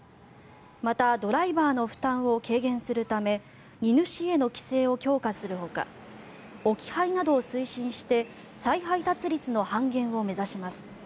またドライバーの負担を軽減するため荷主への規制を強化するほか置き配などを推進して再配達率の半減を目指します。